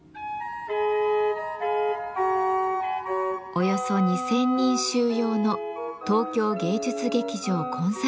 およそ２，０００人収容の東京芸術劇場コンサートホール。